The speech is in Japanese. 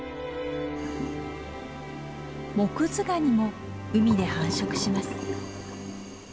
モクズガニも海で繁殖します。